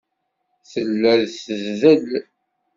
Tella tdel.